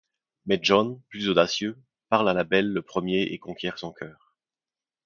Mais John, plus audacieux, parle à la belle le premier et conquiert son cœur…